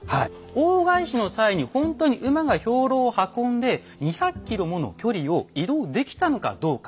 大返しの際にほんとに馬が兵糧を運んで２００ｋｍもの距離を移動できたのかどうか。